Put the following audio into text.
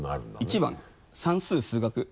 １番算数・数学。